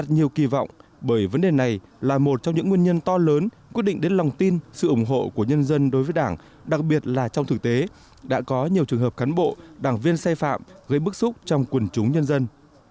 điều kỳ vọng bởi vấn đề này là một trong những nguyên nhân to lớn quyết định đến lòng tin sự ủng hộ của nhân dân đối với đảng đặc biệt là trong thực tế đã có nhiều trường hợp cán bộ đảng viên sai phạm gây bức xúc trong quần chúng nhân dân